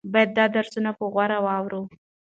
باید دا درسونه په غور واورو.